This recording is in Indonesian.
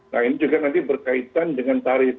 nah ini juga nanti berkaitan dengan tarif